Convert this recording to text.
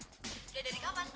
udah dari kapan